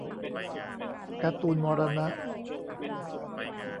การ์ตูนมรณะ